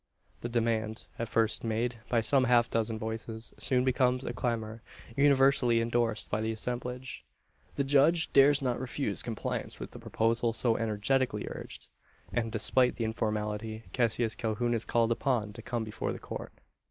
The demand, at first made by some half dozen voices, soon becomes a clamour, universally endorsed by the assemblage. The judge dares not refuse compliance with a proposal so energetically urged: and, despite the informality, Cassius Calhoun is called upon to come before the Court.